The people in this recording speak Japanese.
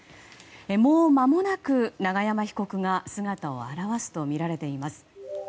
もうまもなく永山被告が姿を現すとみられています。